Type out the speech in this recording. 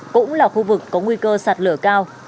cũng là khu vực có nguy cơ sạt lửa cao